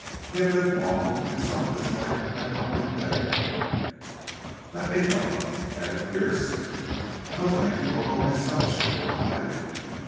He had lived long, and some of his life had not been bad. "Let me go," added Pearce. "No, thanks. I'll go myself," she replied.